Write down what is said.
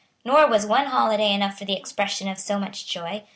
Nor was one holiday enough for the expression of so much joy.